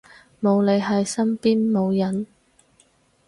冇你喺身邊冇癮